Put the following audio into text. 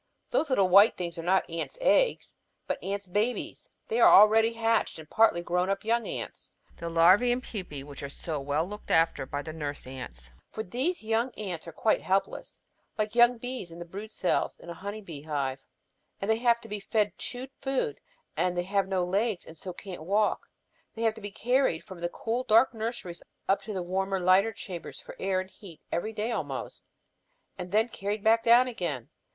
These little white things are not ants' eggs, but ants' babies. They are the already hatched and partly grown young ants, the larvæ and pupæ, which are so well looked after by the nurse ants. For these young ants are quite helpless, like young bees in the brood cells in a honey bee hive. And they have to be fed chewed food, and as they have no legs and so can't walk, they have to be carried from the cool dark nurseries up into the warmer lighter chambers for air and heat every day almost, and then carried back down again.